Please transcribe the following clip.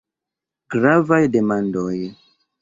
Gravaj demandoj.